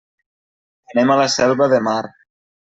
Anem a la Selva de Mar.